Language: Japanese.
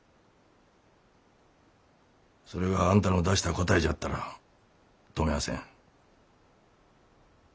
それがあんたの出した答えじゃったら止みゃあせん。